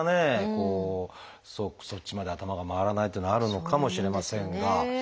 こうそっちまで頭が回らないっていうのはあるのかもしれませんが。